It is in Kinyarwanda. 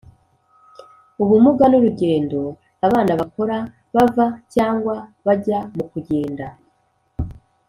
ubumuga n urugendo abana bakora bava cyangwa bajya mukugenda